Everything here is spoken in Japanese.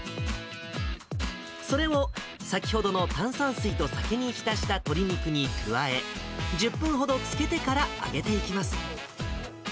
それを、先ほどの炭酸水と酒に浸した鶏肉に加え、１０分ほど漬けてから揚げていきます。